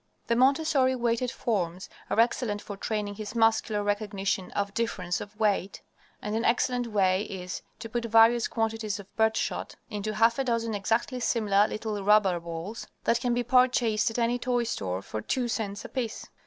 The Montessori weighted forms are excellent for training his muscular recognition of difference of weight, and an excellent way is to put various quantities of birdshot into half a dozen exactly similar little rubber balls that can be purchased at any toy store for two cents apiece.